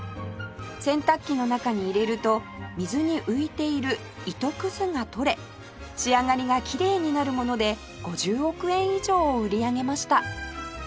洗濯機の中に入れると水に浮いている糸くずが取れ仕上がりがきれいになるもので５０億円以上を売り上げました